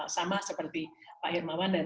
sama seperti pak hermawan dan